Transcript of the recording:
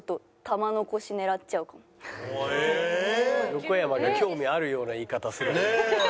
横山が興味あるような言い方する。